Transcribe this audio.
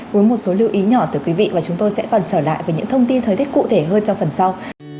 với một số lưu ý nhỏ từ quý vị và chúng tôi sẽ còn trở lại với những thông tin thời tiết cụ thể hơn trong phần sau